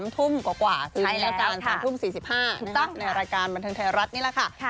๓ทุ่มกว่าคือนี่ละการ๓ทุ่ม๔๕ในรายการบันทึงไทยรัฐนี่แหละค่ะใช่แล้วค่ะ